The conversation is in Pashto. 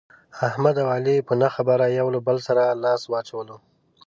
احمد او علي په نه خبره یو له بل سره لاس واچولو.